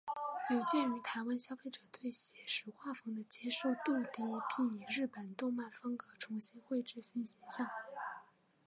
有鉴于台湾消费者对写实画风的接受度低并以日本动漫风格重新绘制新形象。